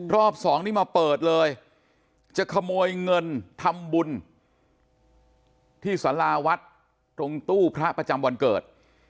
รอบสองนี่มาเปิดเลยจะขโมยเงินทำบุญที่สาราวัดตรงตู้พระประจำวันเกิด